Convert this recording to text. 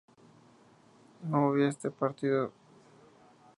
no hubiste partido